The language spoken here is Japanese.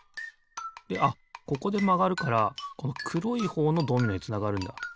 であっここでまがるからこのくろいほうのドミノへつながるんだ。